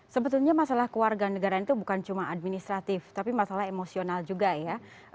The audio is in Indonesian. sebetulnya masalah keluarga negaraan itu bukan cuma administratif tapi masalah emosional juga ya